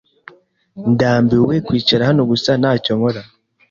Ndambiwe kwicara hano gusa ntacyo nkora.